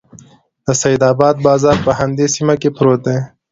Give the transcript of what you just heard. د سیدآباد بازار په همدې سیمه کې پروت دی.